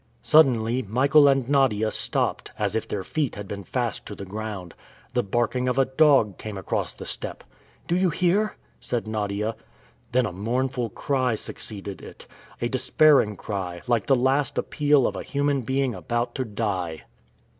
Suddenly, Michael and Nadia stopped, as if their feet had been fast to the ground. The barking of a dog came across the steppe. "Do you hear?" said Nadia. Then a mournful cry succeeded it a despairing cry, like the last appeal of a human being about to die.